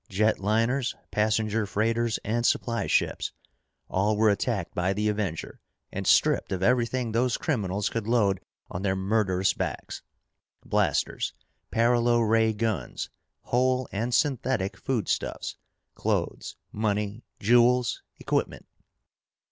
Jet liners, passenger freighters, and supply ships. All were attacked by the Avenger and stripped of everything those criminals could load on their murderous backs. Blasters, paralo ray guns, whole and synthetic foodstuffs, clothes, money, jewels, equipment.